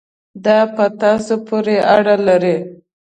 دا په تاسو پورې اړه لري.